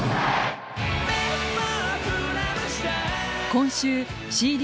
今週、ＣＤ